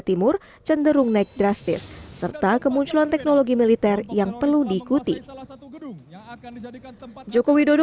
timur cenderung naik drastis serta kemunculan teknologi militer yang perlu diikuti joko widodo